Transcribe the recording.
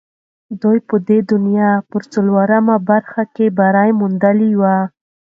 دوی به د دنیا پر څلورمه برخه بری موندلی وي.